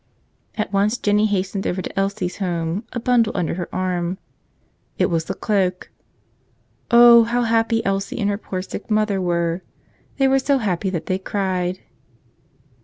At once Jennie hastened over to Elsie's home, a bundle under her arm. It was the cloak. Oh, how happy Elsie and her poor sick mother were! They were so happy that they cried.